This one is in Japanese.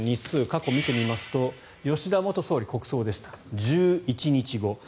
過去を見てみますと吉田元総理、国葬でした１１日後。